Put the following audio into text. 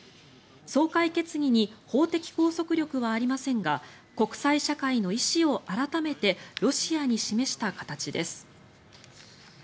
総会決議に法的拘束力はありませんが国際社会の意思を改めてロシアに示した形です。